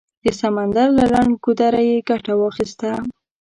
د سمندر له لنډ ګودره یې ګټه واخیسته.